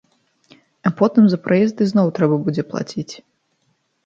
А потым за праезд ізноў трэба будзе плаціць.